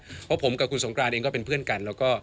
เพราะผมกับคุณสงกรานเองก็เป็นเพื่อนกันแล้วก็